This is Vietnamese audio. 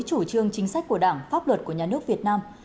chủ trương chính sách của đảng pháp luật của nhà nước việt nam